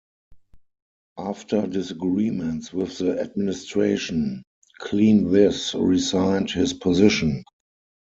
After disagreements with the administration, Kleanthis resigned his position.